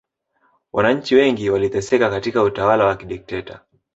wananchi wengi waliteseka katika utawala wa kidikteta